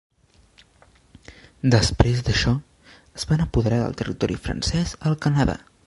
Després d'això, es van apoderar del territori francès al Canadà.